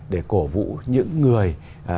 để cổ vụ những người